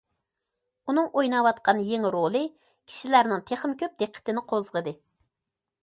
ئۇنىڭ ئويناۋاتقان يېڭى رولى كىشىلەرنىڭ تېخىمۇ كۆپ دىققىتىنى قوزغىدى.